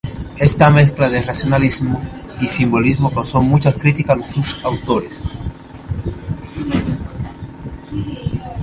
Esta mezcla de racionalismo y simbolismo causó muchas críticas a los autores.